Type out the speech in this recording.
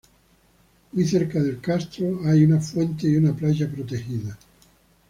Muy cerca del castro hay una fuente y una playa protegida.